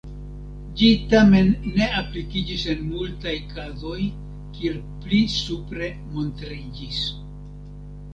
Ĝi tamen ne aplikiĝis en multaj kazoj, kiel pli supre montriĝis.